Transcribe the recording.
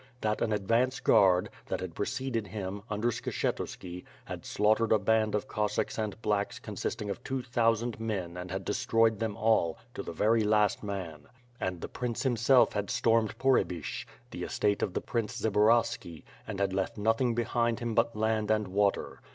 That an advance guard, that had preceded him, under Skshetsuki, had slaughtered a band of Cossacks and "blacks" consisting of two thousand men and had destroyed them all, to the very last man; and the prince himself had stormed Pohrebyshch, the estate of the prince Zbaraski, and has left nothing behind him but land ahd water.